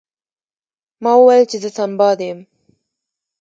ما وویل چې زه سنباد یم.